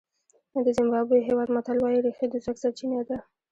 د زیمبابوې هېواد متل وایي رېښې د ځواک سرچینه ده.